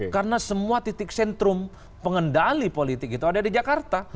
karena semua titik sentrum pengendali politik itu ada di jakarta